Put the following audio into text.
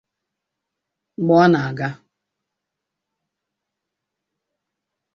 Mgbe ọ na-aga